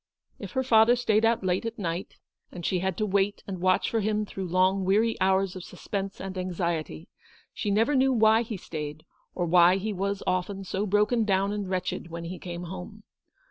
If her father stayed out late at night, and she had to wait and watch for him through long weary hours of suspense and anxiety, she never knew why he stayed, or why he was often so broken down and wretched when he came home.